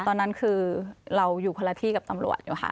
ตอนนั้นคือเราอยู่คนละที่กับตำรวจอยู่ค่ะ